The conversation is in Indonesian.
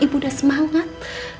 ibu udah semangat